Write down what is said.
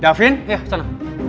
davin ya sana